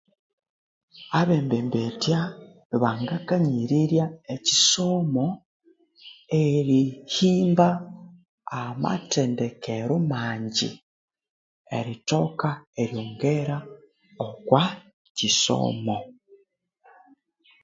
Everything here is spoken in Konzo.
Abembembetya bangakanyirirya ekyisomo, erihimba amathendekero mangyi erithoka eryongera okwa kyisomo.